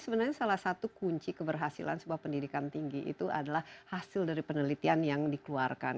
sebenarnya salah satu kunci keberhasilan sebuah pendidikan tinggi itu adalah hasil dari penelitian yang dikeluarkan